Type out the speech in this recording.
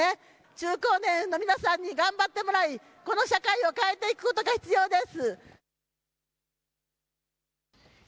中高年の皆さんに頑張ってもらいこの社会を変えていくことが必要です。